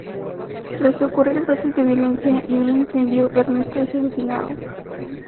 Tras ocurrir brotes de violencia y un incendio, Ernesto es asesinado.